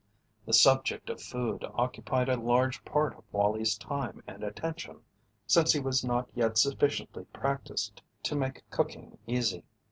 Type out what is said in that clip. The subject of food occupied a large part of Wallie's time and attention since he was not yet sufficiently practised to make cooking easy.